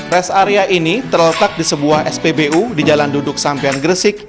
res area ini terletak di sebuah spbu di jalan duduk sampean gresik